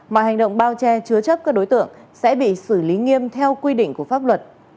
mọi hành động bao che chứa chấp các đối tượng sẽ bị xử lý nghiêm theo quy định của pháp luật